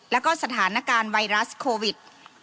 แล้วก็สถานการณ์ไวรัสโควิด